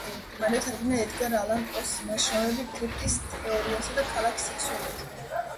მანვე თარგმნა ედგარ ალან პოს ნაშრომები დრიფტის თეორიასა და ქალის სექსუალობაზე.